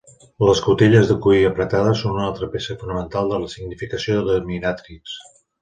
Les cotilles de cuir apretades són una altra peça fonamental de la significació de dominatrix.